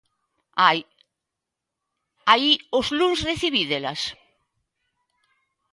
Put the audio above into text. ¡Ai, ¿o luns recibídelas?